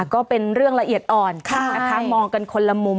ก็เป็นเรื่องละเอียดอ่อนนะคะมองกันคนละมุม